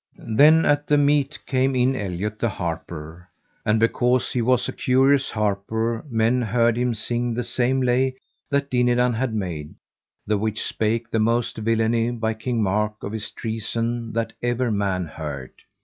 Then at the meat came in Eliot the harper, and because he was a curious harper men heard him sing the same lay that Dinadan had made, the which spake the most villainy by King Mark of his treason that ever man heard.